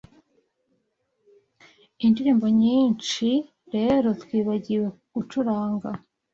Indirimbo nyinshi rero twibagiwe gucuranga